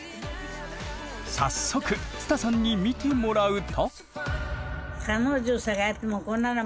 早速つたさんに見てもらうと。